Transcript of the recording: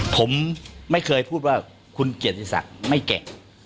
ผมไม่เคยพูดว่าคุณเกียรติศักดิ์ไม่แกะ